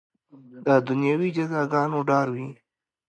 د دنیوي جزاګانو ډاروي.